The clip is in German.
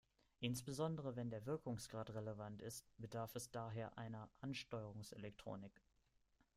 Insbesondere wenn der Wirkungsgrad relevant ist, bedarf es daher einer Ansteuerungselektronik.